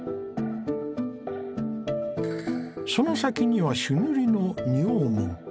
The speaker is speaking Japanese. その先には朱塗りの仁王門。